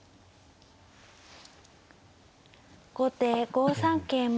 後手５三桂馬。